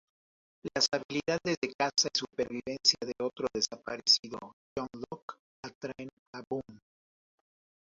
Las habilidades de caza y supervivencia de otro desaparecido, John Locke, atraen a Boone.